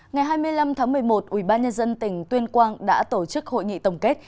ngày hai mươi năm tháng một mươi một ubnd tỉnh tuyên quang đã tổ chức hội nghị tổng kết